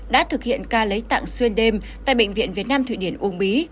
đã thực hiện ca lấy tạng xuyên đêm tại bệnh viện việt nam thủy điển úc bí